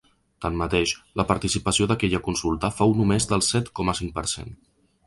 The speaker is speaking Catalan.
Tanmateix, la participació d’aquella consulta fou només del set coma cinc per cent.